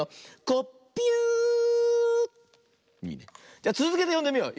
じゃつづけてよんでみよう。